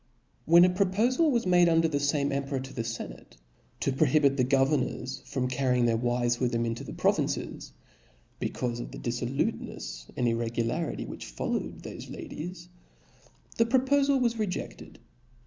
When a propofal was made under the fame em peror to the ienare, to prohibit the governors from carrying their wives with them into the provinces, becaufe of the diflblutenefs and irregularity which followed thofe ladies, the propofal was rejeded.